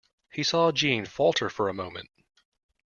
He saw Jeanne falter for a moment.